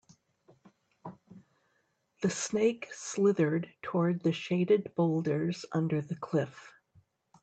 The snake slithered toward the shaded boulders under the cliff.